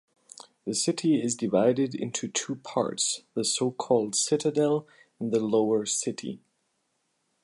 The city is divided into two parts, the so-called Citadel and the Lower City.